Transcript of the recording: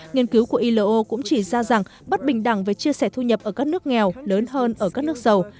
nghiên cứu của ilo cũng chỉ ra rằng bất bình đẳng về chia sẻ thu nhập ở các nước nghèo lớn hơn ở các nước giàu